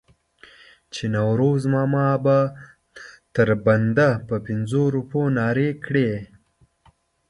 چې نوروز ماما به تر بنده په پنځو روپو نارې کړې.